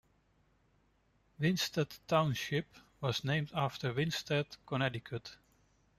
Winsted Township was named after Winsted, Connecticut.